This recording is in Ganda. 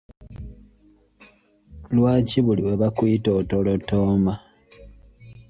Lwaki buli lwe bakuyita otolotooma?